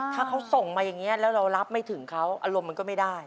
ถ้าเขาส่งมาอย่างนี้แล้วเรารับไม่ถึงเขาอารมณ์มันก็ไม่ได้